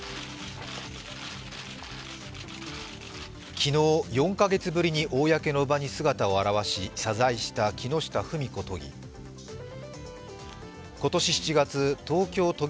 昨日４カ月ぶりに公の場に姿を現し、謝罪した木下富美子都議。